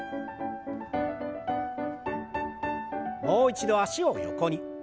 もう一度脚を横に。